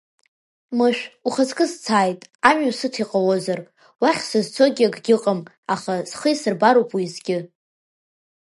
Мышә, ухаҵкы сцааит, амҩа сыҭ иҟалозар, уахь сызцогьы акгьы ыҟам, аха схы исырбароуп уеизгьы…